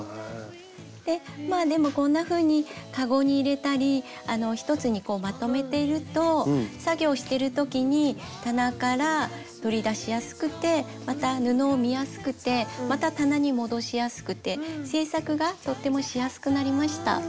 まあでもこんなふうに籠に入れたり一つにまとめてると作業してる時に棚から取り出しやすくてまた布を見やすくてまた棚に戻しやすくて制作がとってもしやすくなりました。